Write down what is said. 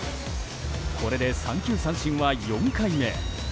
これで三球三振は４回目。